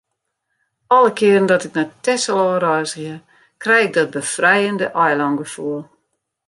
Alle kearen dat ik nei Texel ôfreizgje, krij ik dat befrijende eilângefoel.